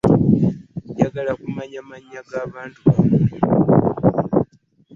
Njagala kumanya manya g'abantu bamwe.